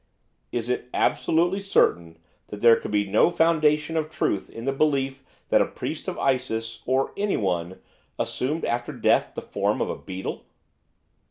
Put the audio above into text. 'Is it absolutely certain that there could be no foundation of truth in the belief that a priest of Isis or anyone assumed after death the form of a beetle?